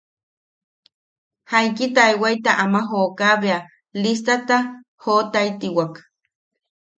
Jaiki taewata ama jokaa bea listata jootaitiwak.